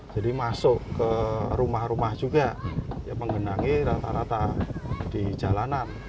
jadi masuk ke rumah rumah juga ya mengenangi rata rata di jalanan